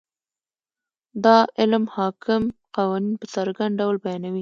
دا علم حاکم قوانین په څرګند ډول بیانوي.